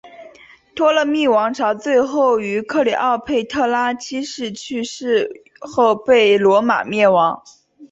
托勒密王朝最后于克丽奥佩特拉七世去世后被罗马灭亡。